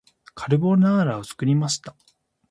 カルボナーラを作りました